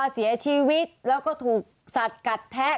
เสียชีวิตแล้วก็ถูกสัตว์กัดแทะ